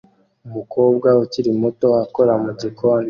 Umukobwa ukiri muto akora mu gikoni